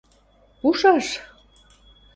Пушаш...